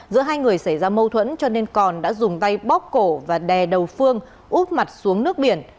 giữa hai người xảy ra mâu thuẫn cho nên còn đã dùng tay bóc cổ và đè đầu phương úp mặt xuống nước biển